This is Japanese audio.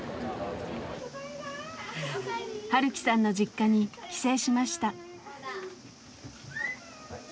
晴樹さんの実家に帰省しました。